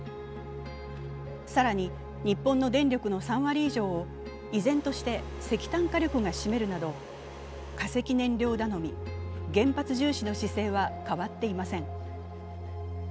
更に、日本の電力の３割以上を依然として石炭火力が占めるなど化石燃料頼み、原発重視の姿勢は変わっていません。